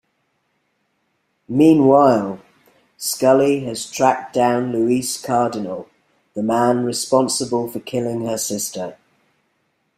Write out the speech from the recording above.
Meanwhile, Scully has tracked down Luis Cardinal, the man responsible for killing her sister.